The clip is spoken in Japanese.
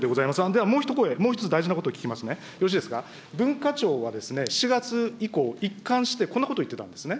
ではもう一声、もう一つ、大事なこと聞きますね、よろしいですか、文化庁は７月以降、一貫して、こんなことを言っていたんですね。